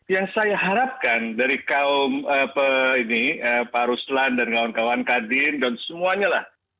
yang saya harapkan dari kaum pak ruslan dan kawan kawan kadin dan semuanya lah